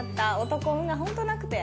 男運が本当なくて」